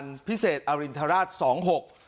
หน่วยปฏิบัติการพิเศษอรินทราชสองหก